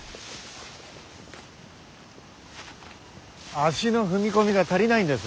足の踏み込みが足りないんです。